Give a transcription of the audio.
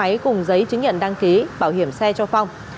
máy máy cùng giấy chứng nhận đăng ký bảo hiểm xe cho phong